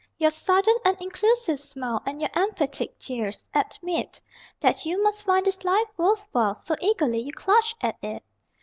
Your sudden and inclusive smile And your emphatic tears, admit That you must find this life worth while, So eagerly you clutch at it!